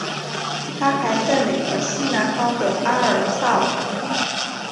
他还占领了西南方的阿尔萨瓦。